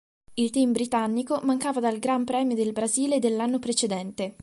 Il "team" britannico mancava dal Gran Premio del Brasile dell'anno precedente.